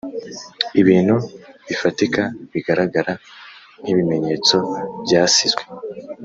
ibintu bifatika bigaragara nk’ibimenyetso byasizwe